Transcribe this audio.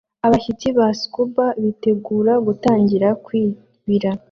Abashitsi ba Scuba bitegura gutangira kwibira